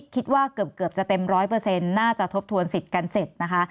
คิดว่าเกือบจะเต็ม๑๐๐น่าจะทบทวนสิทธิ์กันเสร็จนะคะ